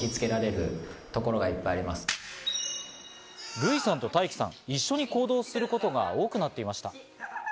ルイさんとタイキさん、一緒に行動することが多くなっていました。